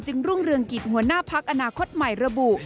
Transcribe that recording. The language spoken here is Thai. จึงรุ่งเรืองกิจหัวหน้าภาคอนาโคตรหมายระบุ